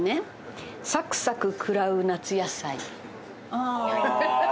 ああ。